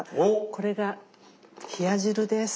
これが冷や汁です。